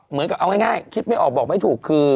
เอาง่ายคิดไม่ออกบอกไม่ถูก